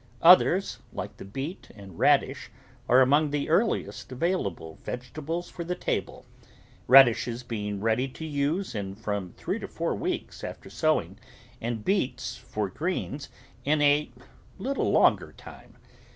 Others, like the beet and radish, are among the earliest available vegetables for the table — radishes being ready to use in from three to four weeks after sowing and beets for greens in a little longer time.